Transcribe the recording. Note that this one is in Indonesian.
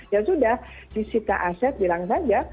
ya sudah disita aset bilang saja